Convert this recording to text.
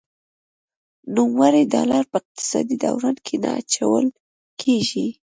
نوموړي ډالر په اقتصادي دوران کې نه اچول کیږي.